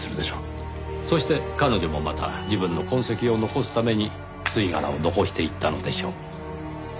そして彼女もまた自分の痕跡を残すために吸い殻を残していったのでしょう。